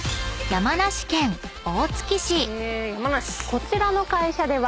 こちらの会社では。